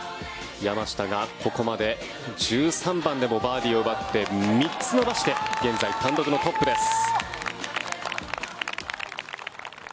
山下がここまで１３番でもバーディーを奪って３つ伸ばして現在、単独のトップです。